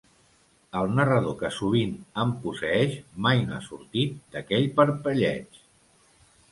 El narrador que sovint em posseeix mai no ha sortit d'aquell parpelleig.